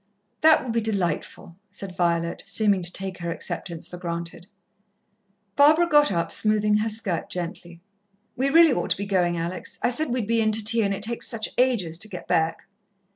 "That will be delightful," said Violet, seeming to take her acceptance for granted. Barbara got up, smoothing her skirt gently. "We really ought to be going, Alex. I said we'd be in to tea, and it takes such ages to get back."